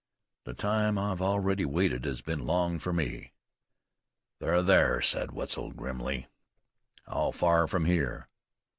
"The time I've already waited has been long for me." "They're thar," said Wetzel grimly. "How far from here?"